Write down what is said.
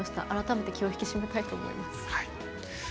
改めて気を引き締めたいと思います。